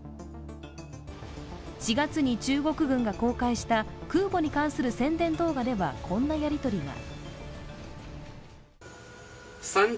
４月に中国軍が公開した空母に関する宣伝動画ではこんなやりとりが。